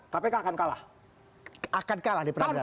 kpk akan kalah akan kalah di perairan